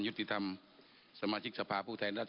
เนี่ยที่เค้ารอจเค้าได้รับอะไรแน่นอนหรือไม่